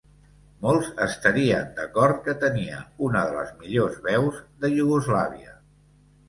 Molts estarien d'acord que tenia una de les millors veus de Iugoslàvia.